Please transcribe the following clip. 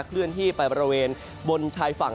เลื่อนที่ไปบริเวณบนชายฝั่ง